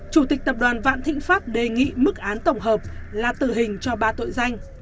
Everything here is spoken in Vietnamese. chủ tịch tập đoàn vạn thịnh pháp đề nghị mức án tổng hợp là tử hình cho ba tội danh